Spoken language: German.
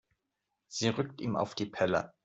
Sie rückt ihm auf die Pelle.